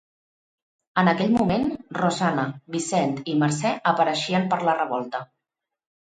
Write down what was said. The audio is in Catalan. En aquell moment, Rosanna, Vicent i Mercè apareixien per la revolta.